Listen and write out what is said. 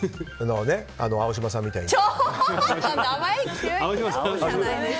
青島さんみたいに。